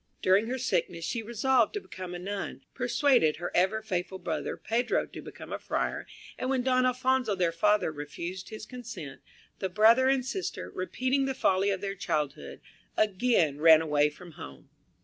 During her sickness she resolved to become a nun, persuaded her ever faithful brother, Pedro, to become a friar, and when Don Alphonso, their father, refused his consent, the brother and sister, repeating the folly of their childhood, again ran away from home.